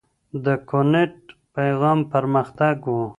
د کُنت پيغام پرمختګ و.